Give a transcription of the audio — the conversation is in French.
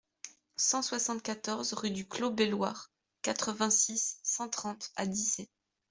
cent soixante-quatorze rue du Clos Beilhoir, quatre-vingt-six, cent trente à Dissay